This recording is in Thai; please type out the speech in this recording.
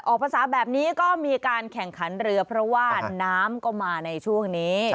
ภาษาแบบนี้ก็มีการแข่งขันเรือเพราะว่าน้ำก็มาในช่วงนี้